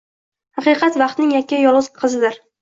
Haqiqat vaqtning yakka-yu yolg’iz qizidir.